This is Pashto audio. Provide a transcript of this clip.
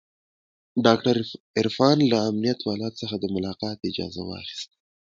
ډاکتر عرفان له امنيت والاو څخه د ملاقات اجازه واخيسته.